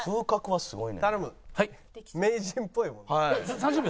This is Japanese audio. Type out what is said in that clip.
はい。